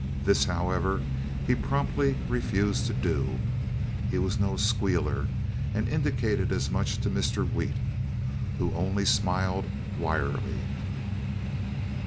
This, however, he promptly refused to do—he was no "squealer," and indicated as much to Mr. Wheat, who only smiled wryly.